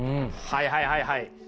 はいはいはいはい。